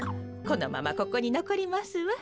このままここにのこりますわ。